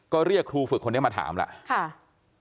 ก็เรียกครูฝึกคนนี้มาถามแล้ว